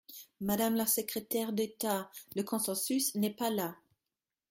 Madame la secrétaire d’État, le consensus n’est pas là.